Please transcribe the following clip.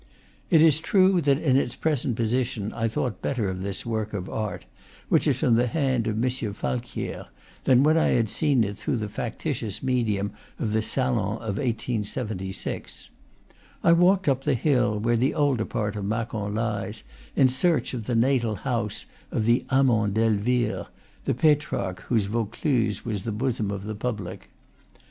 It is true that in its pre sent position I thought better of this work of art, which is from the hand of M. Falquiere, than when I had seen it through the factitious medium of the Salon of 1876. I walked up the hill where the older part of Macon lies, in search of the natal house of the amant d'Elvire, the Petrarch whose Vaucluse was the bosom of the public.